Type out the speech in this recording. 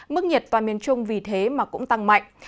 mức nhiệt toàn miền trung vì thế mà cũng tăng mạnh